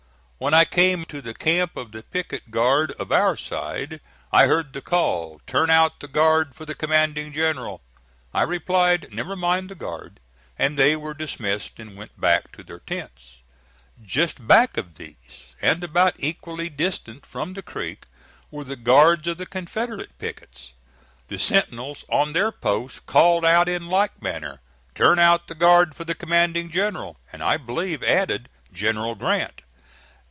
When I came to the camp of the picket guard of our side, I heard the call, "Turn out the guard for the commanding general." I replied, "Never mind the guard," and they were dismissed and went back to their tents. Just back of these, and about equally distant from the creek, were the guards of the Confederate pickets. The sentinel on their post called out in like manner, "Turn out the guard for the commanding general," and, I believe, added, "General Grant."